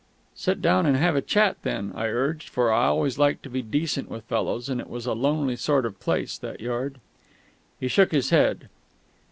"Sit down and have a chat, then," I urged; for I always like to be decent with fellows, and it was a lonely sort of place, that yard. He shook his head.